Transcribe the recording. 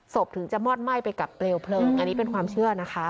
ถึงจะมอดไหม้ไปกับเปลวเพลิงอันนี้เป็นความเชื่อนะคะ